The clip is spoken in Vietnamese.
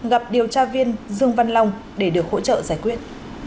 gặp điều tra viên dương văn long để được hỗ trợ giải quyết